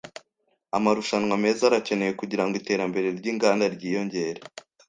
Amarushanwa meza arakenewe kugirango iterambere ryinganda ryiyongere.